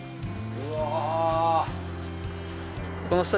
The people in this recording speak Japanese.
うわ。